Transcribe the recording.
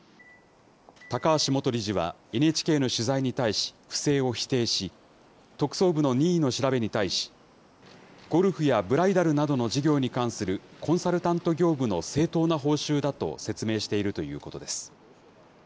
高橋元理事は、ＮＨＫの取材に対し不正を否定し、特捜部の任意の調べに対し、ゴルフやブライダルなどの事業に関するコンサルタント業務の正当な報酬だと説明しているということです。